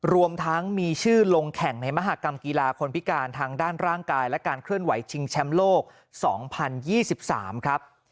รวมทั้งมีชื่อลงแข่งในมหากรรมกีฬาคนพิการทางด้านร่างกายและการเคลื่อนไหวชิงแชมป์โลก๒๐๒๓ครับ